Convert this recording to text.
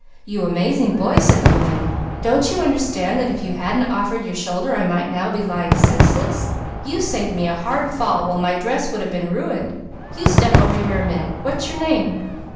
"You amazing boy!" said the woman. "Don't you understand that if you hadn't offered your shoulder, I might now be lying senseless? You saved me a hard fall, while my dress would have been ruined. You step over here a minute. What's your name?"